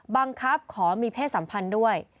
บังคับขอมีเพศสัมพันธ์ด้วย